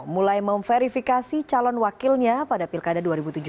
mulai memverifikasi calon wakilnya pada pilkada dua ribu tujuh belas